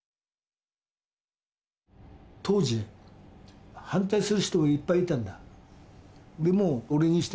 当時反対する人もいっぱいいたんだ。